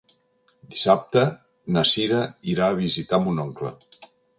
Dissabte na Cira irà a visitar mon oncle.